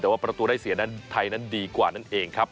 แต่ว่าประตูได้เสียนั้นไทยนั้นดีกว่านั่นเองครับ